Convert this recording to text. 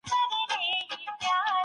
تاسي باید پښتو ژبه په نړیواله کچه وپېژنئ